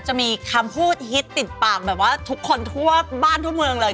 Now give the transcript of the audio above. จะมีคำพูดฮิตติดปากแบบว่าทุกคนทั่วบ้านทั่วเมืองเลย